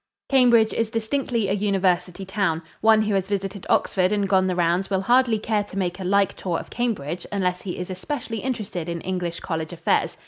Cambridge is distinctly a university town. One who has visited Oxford and gone the rounds will hardly care to make a like tour of Cambridge unless he is especially interested in English college affairs.